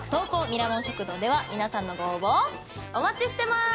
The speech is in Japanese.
ミラモン食堂では皆さんのご応募をお待ちしてまーす！